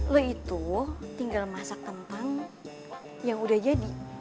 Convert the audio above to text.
lo itu tinggal masak kentang yang udah jadi